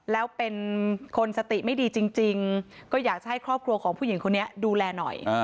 แล้วเป็นคนสติไม่ดีจริงก็อยากจะให้ครอบครัวของผู้หญิงคนนี้ดูแลหน่อย